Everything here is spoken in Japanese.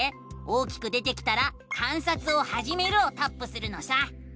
大きく出てきたら「観察をはじめる」をタップするのさ！